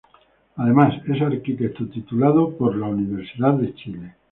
Además, es Arquitecto titulado de la Universidad de Chile.